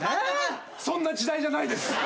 そんな時代じゃないです。